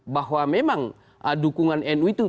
bahwa memang dukungan nu itu